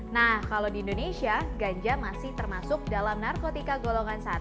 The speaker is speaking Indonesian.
nah kalau di indonesia ganja masih termasuk dalam narkotika golongan satu